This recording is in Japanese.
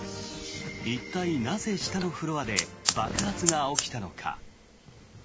一体なぜ下のフロアで爆発が起きたのか。